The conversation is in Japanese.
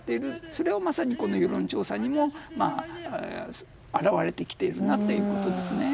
それが、まさに世論調査にも表れてきているということです。